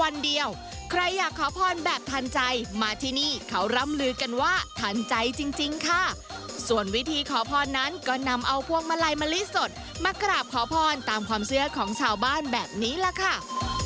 ใครอยากขอพรแบบทันใจมาที่นี่เขาร่ำลือกันว่าทันใจจริงค่ะส่วนวิธีขอพรนั้นก็นำเอาพวงมาลัยมะลิสดมากราบขอพรตามความเชื่อของชาวบ้านแบบนี้แหละค่ะ